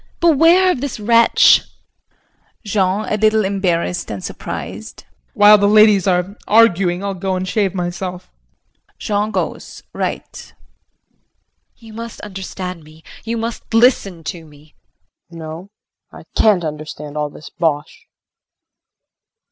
Beware of this wretch. JEAN [A little embarrassed and surprised]. While the ladies are arguing I'll go and shave myself. [Jean goes, R.] JULIE. You must understand me you must listen to me. KRISTIN. No I can't understand all this bosh.